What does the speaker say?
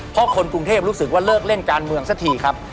เพราะคนกรุงเทพรู้สึกว่าเลิกเล่นการเมืองสักทีครับ